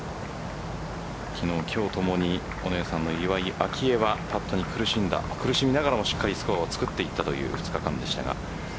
昨日今日ともにお姉さんの岩井明愛はパットに苦しみながらもしっかりと作っていたという２日間でしたが。